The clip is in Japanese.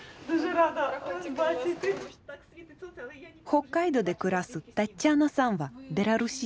北海道で暮らすタッチャナさんはベラルーシ人。